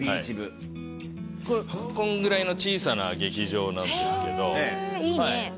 はいこんぐらいの小さな劇場なんですけどへえいいね